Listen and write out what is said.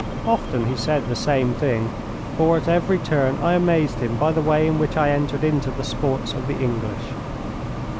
Often he said the same thing, for at every turn I amazed him by the way in which I entered into the sports of the English.